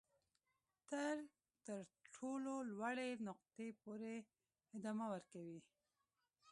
تر تر ټولو لوړې نقطې پورې ادامه ورکوي.